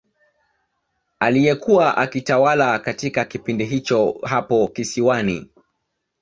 Aliyekuwa akitawala katika kipindi hicho hapo kisiwani